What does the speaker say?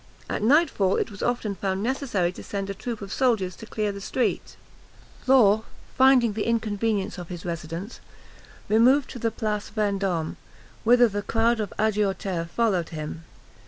At nightfall, it was often found necessary to send a troop of soldiers to clear the street. [Illustration: THE HUNCHBACK.] Law, finding the inconvenience of his residence, removed to the Place Vendôme, whither the crowd of agioteurs followed him.